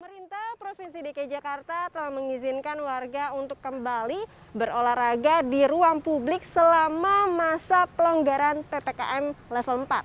pemerintah provinsi dki jakarta telah mengizinkan warga untuk kembali berolahraga di ruang publik selama masa pelonggaran ppkm level empat